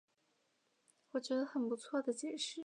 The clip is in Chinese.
我觉得很不错的解释